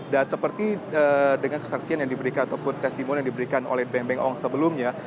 dan seperti dengan kesaksian yang diberikan ataupun testimoni yang diberikan oleh beng beng ong sebelumnya